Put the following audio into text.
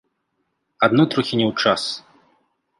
Адно трохі не ў час.